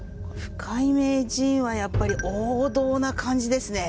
深井名人はやっぱり王道な感じですね。